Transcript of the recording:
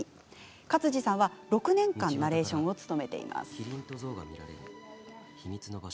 勝地さんは、６年間ナレーションを務めています。